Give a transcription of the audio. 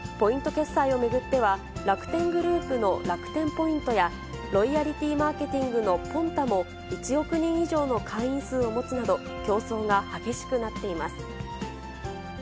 決済を巡っては、楽天グループの楽天ポイントや、ロイヤリティマーケティングのポンタも、１億人以上の会員数を持つなど、競争が激しくなっています。